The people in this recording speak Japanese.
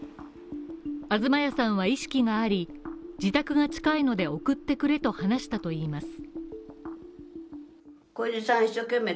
東谷さんは意識があり、自宅が近いので送ってくれと話したといいます。